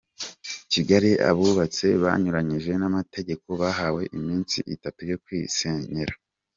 Kigali Abubatse banyuranyije n’amategeko bahawe iminsi itatu yo kwisenyera